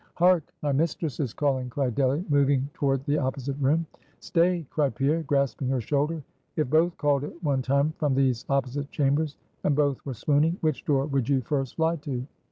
"Hark! my mistress is calling" cried Delly, moving toward the opposite room. "Stay!" cried Pierre, grasping her shoulder; "if both called at one time from these opposite chambers, and both were swooning, which door would you first fly to?"